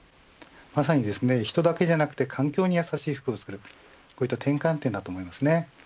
まさに、人だけじゃなく環境にやさしい服を作るこういった転換点だと思います。